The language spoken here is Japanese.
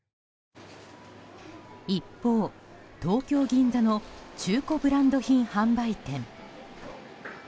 一方、東京・銀座の中古ブランド品販売店。